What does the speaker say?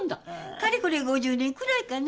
かれこれ５０年くらいかな。